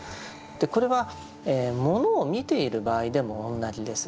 これはものを見ている場合でも同じです。